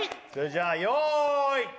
それじゃあよい。